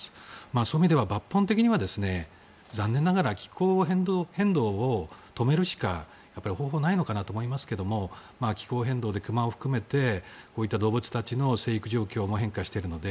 そういう意味では抜本的には残念ながら気候変動を止めるしか方法はないのかなと思いますけど気候変動で熊を含めてこういった動物たちの成育状況も変化しているので